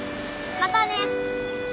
またね。